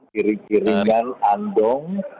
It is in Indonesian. kiri kiri dengan andong